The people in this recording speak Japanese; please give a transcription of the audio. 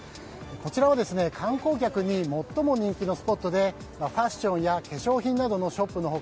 こちらは観光客に最も人気のスポットでファッションや化粧品などのショップの他